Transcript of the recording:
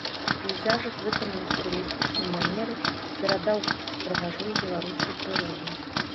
У пейзажах, выкананых у рэалістычнай манеры, перадаў прыгажосць беларускай прыроды.